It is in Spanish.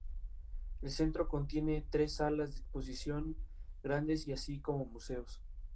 Entre otras muchas cosas, creó los archivos del Ayuntamiento y los registros eclesiásticos.